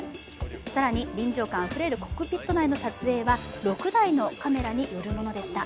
更に臨場感あふれるコックピット内の撮影は６台のカメラによるものでした。